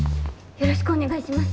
よろしくお願いします。